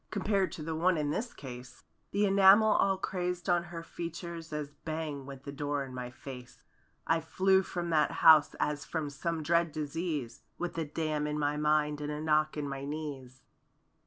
Compared to the one in this case. The enamel all crazed on her features As bang went the door in my face. I flew from that house as from some dread disease. With a dam in my mind and a knock in my knees.